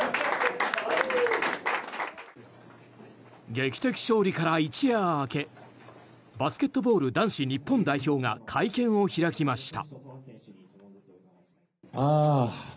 劇的勝利から一夜明けバスケットボール男子日本代表が会見を開きました。